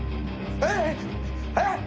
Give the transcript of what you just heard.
えっ！？